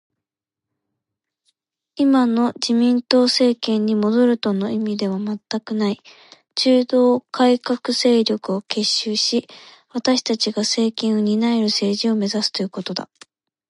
今の自民党政権に戻るとの意味では全くない。中道改革勢力を結集し、私たちが政権を担える政治を目指すということだ